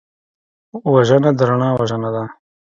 وژنه د رڼا وژنه ده